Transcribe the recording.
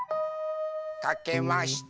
かけました。